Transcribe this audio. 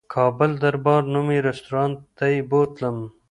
کابل دربار نومي رستورانت ته یې بوتلم.